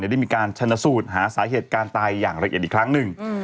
ได้มีการชนสูตรหาสาเหตุการณ์ตายอย่างละเอียดอีกครั้งหนึ่ง